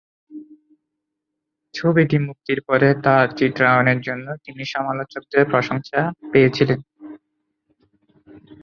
ছবিটি মুক্তির পরে, তাঁর চিত্রায়নের জন্য তিনি সমালোচকদের প্রশংসা পেয়েছিলেন।